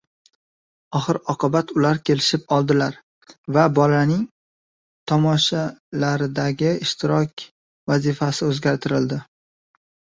oxir oqibat ular kelishib oldilar va bolaning tomoshalardagi ishtirok vazifasi o‘zgartirildi.